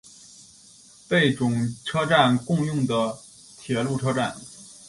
贝冢车站共用的铁路车站。